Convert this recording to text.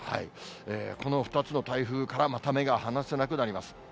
この２つの台風からまた目が離せなくなります。